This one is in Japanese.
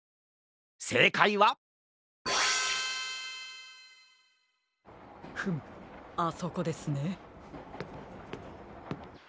せいかいはフムあそこですね。